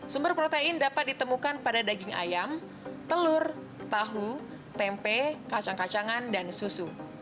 sumber protein dapat ditemukan pada daging ayam telur tahu tempe kacang kacangan dan susu